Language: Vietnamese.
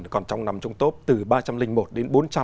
còn nằm trong top ba trăm linh một đến bốn trăm linh